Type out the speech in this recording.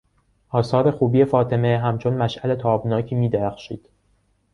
آثار خوبی فاطمه همچون مشعل تابناکی میدرخشید.